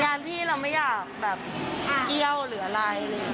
งานพี่เราไม่อยากกี้ย้าวหรืออะไร